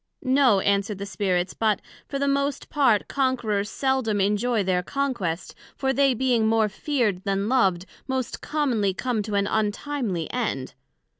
No, answered the Spirits, but, for the most part, Conquerers seldom enjoy their conquest, for they being more feared then loved, most commonly come to an untimely end.